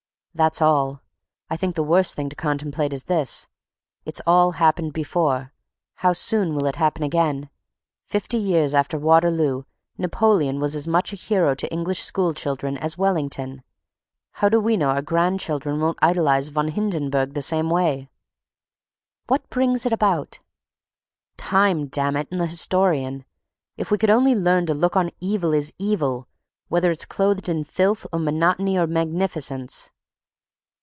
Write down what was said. "That's all. I think the worst thing to contemplate is this—it's all happened before, how soon will it happen again? Fifty years after Waterloo Napoleon was as much a hero to English school children as Wellington. How do we know our grandchildren won't idolize Von Hindenburg the same way?" "What brings it about?" "Time, damn it, and the historian. If we could only learn to look on evil as evil, whether it's clothed in filth or monotony or magnificence."